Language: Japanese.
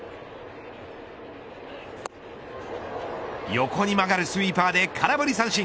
横に曲がるスイーパーで空振り三振。